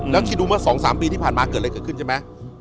แล้วคิดดูเมื่อ๒๓ปีที่ผ่านมาเกิดอะไรเกิดขึ้นใช่ไหม